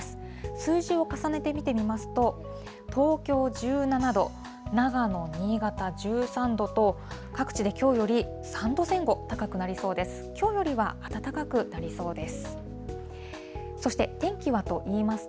数字を重ねて見てみますと、東京１７度、長野、新潟１３度と、各地できょうより３度前後高くなりそうです。